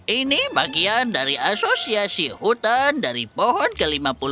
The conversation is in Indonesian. ini bagian dari asosiasi hutan dari pohon ke lima puluh